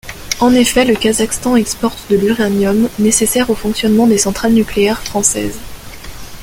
En effet, le Kazakhstan exporte de l'uranium, nécessaire au fonctionnement des centrales nucléaires françaises.